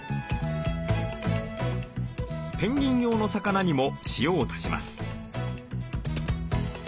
ペンギン用の魚にも塩を足します。